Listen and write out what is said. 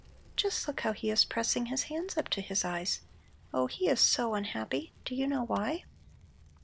Just look how he is pressing his hands up to his eyes! Oh, he is so unhappy! Do you know why?"